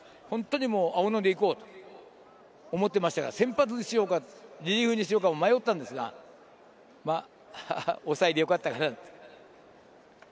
青野でいこうと思っていましたから先発にしようかリリーフにしようか迷ったんですが抑えでよかったかな。